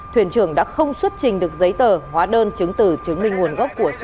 thuyền trưởng đã không xuất trình được giấy tờ hóa đơn chứng tử chứng minh nguồn gốc của số dầu nói trên